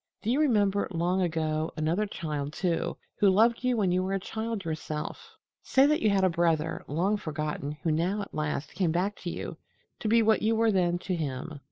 "Do you remember, long ago, another child, too, who loved you when you were a child yourself? Say that you had a brother, long forgotten, who now at last came back to you to be what you were then to him.